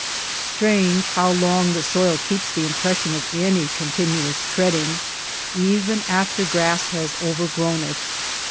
Strange how long the soil keeps the impression of any con tinuous treading, even after grass has over grown it.